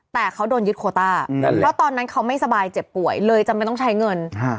แต่เขาโดนยึดโควต้าอืมนั่นเลยเพราะตอนนั้นเขาไม่สบายเจ็บป่วยเลยจะไม่ต้องใช้เงินฮะ